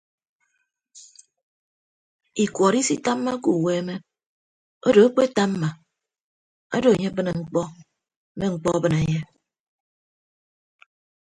Ikuọt isitammake uweeme odo akpetamma odo enye abịne mkpọ me mkpọ abịne enye.